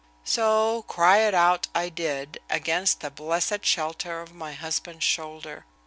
So, "cry it out" I did, against the blessed shelter of my husband's shoulder.